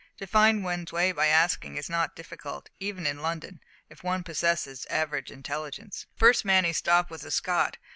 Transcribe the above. To find one's way by asking it is not difficult, even in London, if one possesses average intelligence. The first man he stopped was a Scot.